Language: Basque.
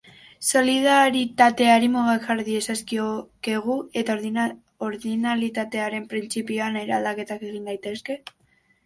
Solidaritateari mugak jar diezazkiokegu eta ordinalitatearen printzipioan ere aldaketak egin daitezke.